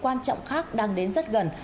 quan trọng khác đang đến rất gần